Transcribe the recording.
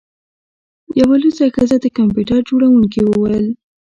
یوه لوڅه ښځه د کمپیوټر جوړونکي وویل